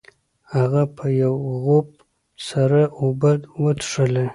هغه په یو غوپ سره اوبه وڅښلې.